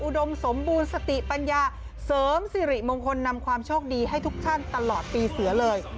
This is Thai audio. ดมสมบูรณ์สติปัญญาเสริมสิริมงคลนำความโชคดีให้ทุกท่านตลอดปีเสือเลย